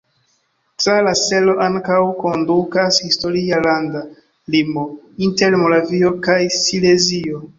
Tra la selo ankaŭ kondukas historia landa limo inter Moravio kaj Silezio.